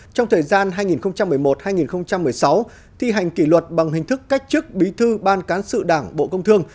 trong thời gian hai nghìn một mươi một hai nghìn một mươi sáu thi hành kỷ luật bằng hình thức cách chức bí thư ban cán sự đảng bộ công thương